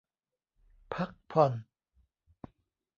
พักผ่อน